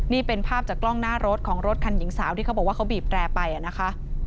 นี่เป็นภาพจากกล้องหน้ารถของรถคันหญิงสาวที่เขาบอกว่าเขาบีบแตรไปนะคะ